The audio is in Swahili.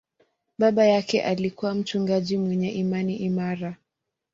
Baba yake alikuwa mchungaji mwenye imani imara.